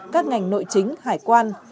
các ngành nội chính hải quan